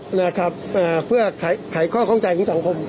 ใช่ครับนะครับเผื่อขายข้อความใจของสังคม